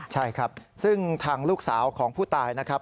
ใช่ครับซึ่งทางลูกสาวของผู้ตายนะครับ